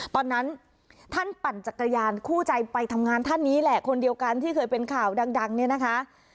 ตอนนั้นท่านปั่นจักรยานคู่ใจไปทำงานท่านนี้แหละคนเดียวกันที่เคยเป็นข่าวดังเนี่ยนะคะ